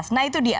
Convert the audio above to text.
nah itu dia